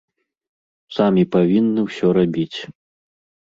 Самі павінны ўсё рабіць.